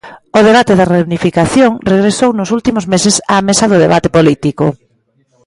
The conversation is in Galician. O debate da reunificación regresou nos últimos meses á mesa do debate político.